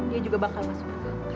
dia juga bakal masuk